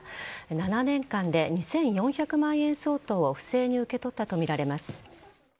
７年間で２４００万円相当を不正に受け取ったとみられます。